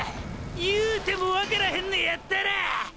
言うてもわからへんねやったら！！